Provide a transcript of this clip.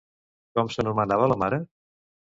Com s'anomenava la mare?